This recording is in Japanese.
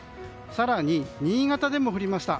更に新潟でも降りました。